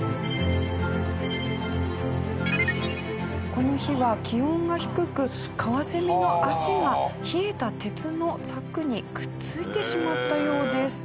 この日は気温が低くカワセミの脚が冷えた鉄の柵にくっついてしまったようです。